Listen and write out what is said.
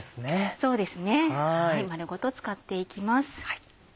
そうですね丸ごと使っていきます。